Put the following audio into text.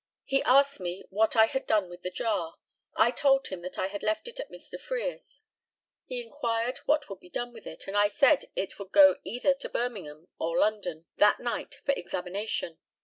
He asked me what I had done with the jar. I told him that I had left it at Mr. Frere's. He inquired what would be done with it, and I said it would go either to Birmingham or London that night for examination.